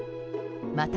また